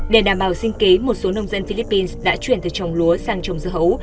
để đảm bảo sinh kế một số nông dân philippines đã chuyển từ trồng lúa sang trồng dưa hấu